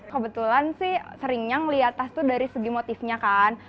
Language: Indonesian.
kebetulan sih seringnya ngeliat tas itu dari segi motifnya kan